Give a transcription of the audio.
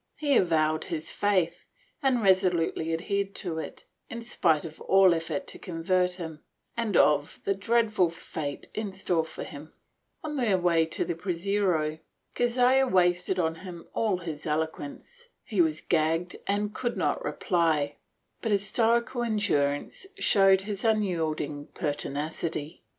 He avowed his faith and resolutely adhered to it, in spite of all effort to convert him and of the dreadful fate in store for him. On their way to the brasero, Cazalla wasted on him all his elo quence. He was gagged and could not reply, but his stoical endurance showed his unyielding pertinacity.